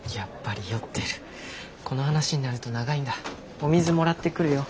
お水もらってくるよ。